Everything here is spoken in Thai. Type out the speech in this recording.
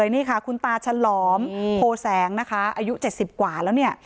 นี่ค่ะคุณตาฉลอมโพแสงนะคะอายุ๗๐กว่าแล้วเนี่ย